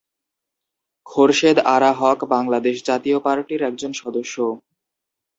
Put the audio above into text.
খোরশেদ আরা হক বাংলাদেশ জাতীয় পার্টির একজন সদস্য।